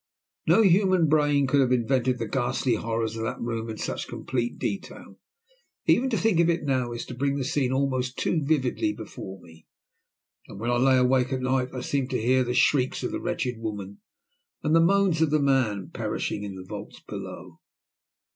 No human brain could have invented the ghastly horrors of that room in such complete detail. Even to think of it now, is to bring the scene almost too vividly before me; and when I lay awake at night I seem to hear the shrieks of the wretched woman, and the moans of the man perishing in the vaults below.